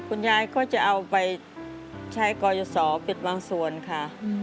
คุณยายก็จะเอาไปใช้กรยศปิดบางส่วนค่ะ